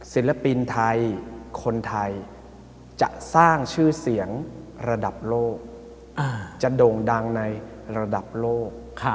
ศิลปินไทยคนไทยจะสร้างชื่อเสียงระดับโลกจะโด่งดังในระดับโลก